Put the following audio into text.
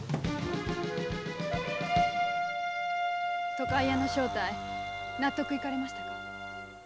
渡海屋の正体納得いかれましたか？